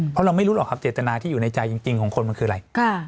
เพราะเราไม่รู้หรอกครับเจตนาที่อยู่ในใจจริงของคนมันคืออะไร